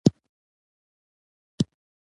د سړک دخولي اړخ خاص د یوه سرکس په څېر وو.